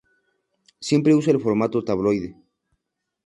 Siempre usa el formato tabloide.